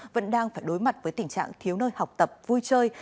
vẫn đang phải đối mặt với tình trạng thiếu nơi học tập vui chơi